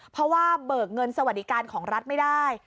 เพราะว่าเบิกเงินสวัสดิการของรัฐไม่ได้